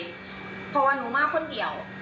เพราะว่าหนูมาคนเดียว